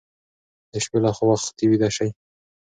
د شپې لخوا وختي ویده شئ.